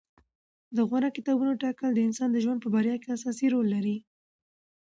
د غوره کتابونو ټاکل د انسان د ژوند په بریا کې اساسي رول لري.